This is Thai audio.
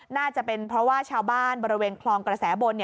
น่าจะเป็นเพราะว่าชาวบ้านบริเวณคลองกระแสบน